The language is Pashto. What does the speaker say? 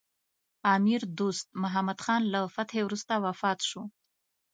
امیر دوست محمد خان له فتحې وروسته وفات شو.